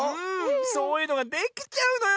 そういうのができちゃうのよ